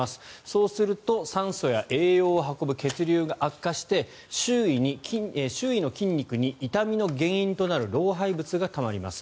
そうすると酸素や栄養を運ぶ血流が悪化して周囲の筋肉に痛みの原因となる老廃物がたまります。